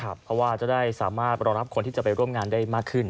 เพราะว่าจะได้สามารถรองรับคนที่จะไปร่วมงานได้มากขึ้น